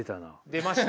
出ました？